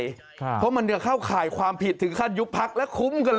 ค่ะเพราะมันเนี่ยเข้าข่ายความผิดถึงขั้นยุคพรรคแล้วคุ้มกันละ